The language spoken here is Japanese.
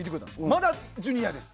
まだジュニアです。